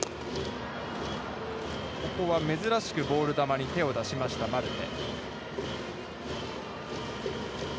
ここは珍しくボール球に手を出しましたマルテ。